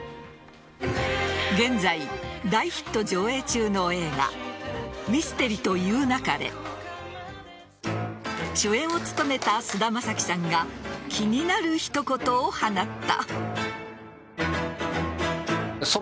現在、大ヒット上映中の映画「ミステリと言う勿れ」主演を務めた菅田将暉さんが気になる一言を放った。